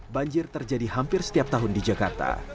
banjir terjadi hampir setiap tahun di jakarta